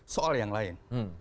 soal yang lain